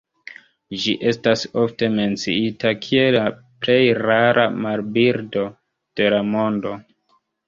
Ĝi estas ofte menciita kiel la plej rara marbirdo de la mondo.